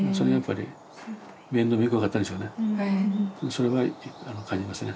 それは感じましたね。